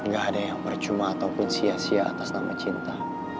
gak ada yang percuma ataupun sia sia atas nama cinta